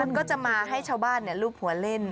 มันก็จะมาให้ชาวบ้านรูปหัวเล่น